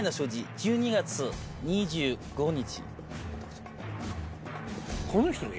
１２月２５日。